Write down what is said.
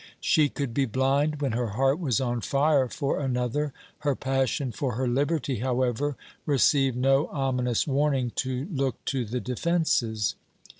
She could be blind when her heart was on fire for another. Her passion for her liberty, however, received no ominous warning to look to the defences.